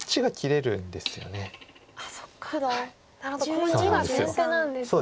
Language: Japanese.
こっちが先手なんですね。